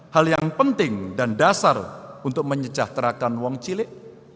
hal yang penting dan dasar untuk menyecahterakan uang cilik